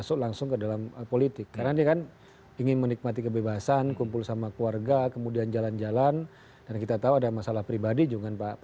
jadi ingin menikmati itu dulu